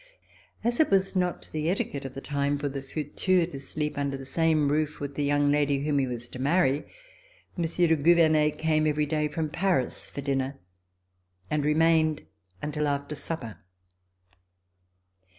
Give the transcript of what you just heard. As it was not the etiquette of the time for the futur to sleep under the same roof with the young lady whom he was to marry. Monsieur de Gouvernet came every day from Paris for dinner and remained until after supper.